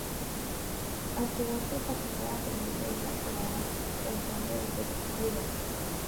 Al sureste, esta carretera permite ir a Nairobi entrando desde Kikuyu.